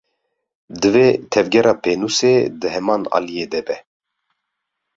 Divê tevgera pênûsê di heman aliyî de be.